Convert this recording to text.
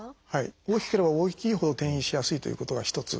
大きければ大きいほど転移しやすいということが一つ。